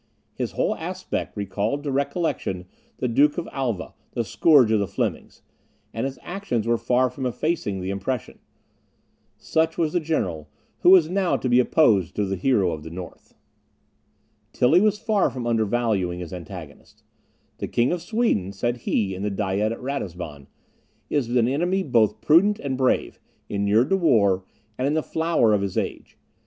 His whole aspect recalled to recollection the Duke of Alva, the scourge of the Flemings, and his actions were far from effacing the impression. Such was the general who was now to be opposed to the hero of the north. Tilly was far from undervaluing his antagonist, "The King of Sweden," said he in the Diet at Ratisbon, "is an enemy both prudent and brave, inured to war, and in the flower of his age.